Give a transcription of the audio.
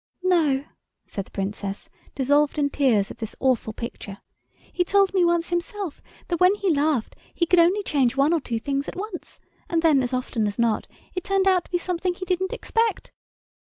"No," said the Princess, dissolved in tears at this awful picture, "he told me once himself that when he laughed he could only change one or two things at once, and then, as often as not, it turned out to be something he didn't expect.